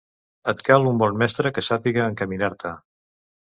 Et cal un bon mestre que sàpiga encaminar-te.